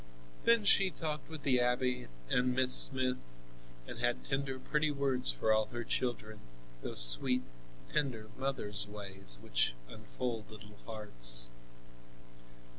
Then she talked with the abbe and Miss Smith and had tender, pretty words for all her children, those sweet, tender mother's ways which unfold little hearts.